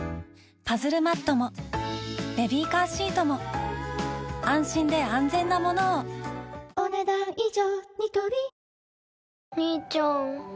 パズルマットもベビーカーシートも安心で安全なものをお、ねだん以上。